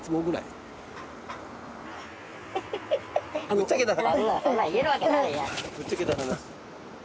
ぶっちゃけた話。